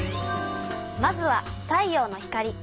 まずは太陽の光。